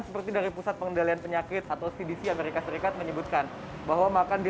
seperti dari pusat pengendalian penyakit atau cdc amerika serikat menyebutkan bahwa makan di